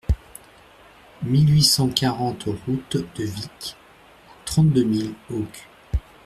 mille huit cent quarante route de Vic, trente-deux mille Auch